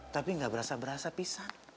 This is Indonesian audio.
tapi gak berasa berasa pisah